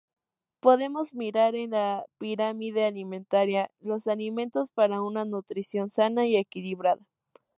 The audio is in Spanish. Podemos mirar en la pirámide alimentaria los alimentos para una nutrición sana y equilibrada.